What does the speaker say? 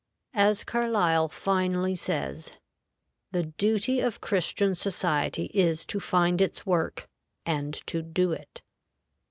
As Carlyle finely says, "The duty of Christian society is to find its work, and to do it."